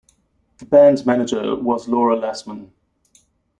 The band's manager was Laura Lassman.